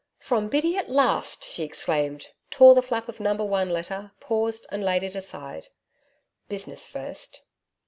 'From Biddy at last!' she exclaimed, tore the flap of number one letter, paused and laid it aside. 'Business first.'